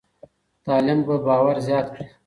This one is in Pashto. تعلیم به باور زیات کړي.